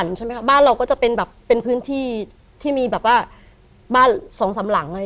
ยังไง